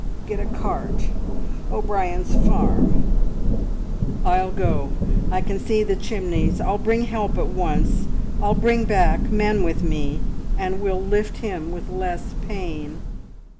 Get a cart O'Brien's farm." "I'll go! I can see the chimneys. I'll bring help at once. I'll bring back men with me, and we'll lift him with less pain."